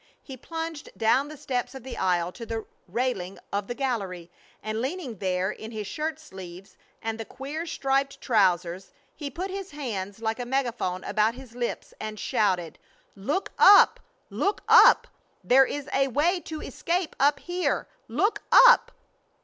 He plunged down the steps of the aisle to the railing of the gallery, and, leaning there in his shirt sleeves and the queer striped trousers, he put his hands like a megaphone about his lips and shouted: "Look up! Look up! There is a way to escape up here! Look up!"